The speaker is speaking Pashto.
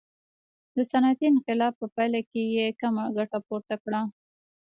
د صنعتي انقلاب په پایله کې یې کمه ګټه پورته کړه.